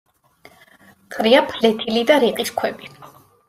ყრია ფლეთილი და რიყის ქვები.